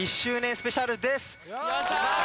スペシャルです